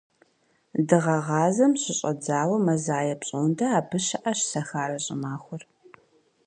Дыгъэгъазэм щыщӏэдзауэ мазае пщӏондэ абы щыӏэщ «Сахарэ щӏымахуэр».